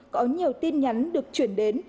có nhiều tin nhắn được chuyển đến